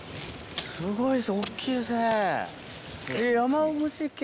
すごいです大っきいですね。